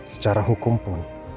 secara hukum pun